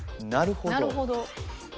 なるほど？